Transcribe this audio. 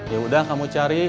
yaudah kamu cari